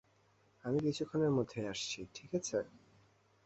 আমি কিছুক্ষণের মধ্যেই আসছি, ঠিক আছে?